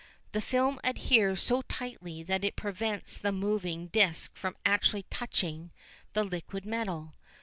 The film adheres so tightly that it prevents the moving disc from actually touching the liquid metal.